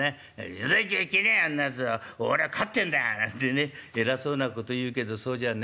『冗談言っちゃいけねえあんなやつ俺はかってんだ』なんてね偉そうなこと言うけどそうじゃね。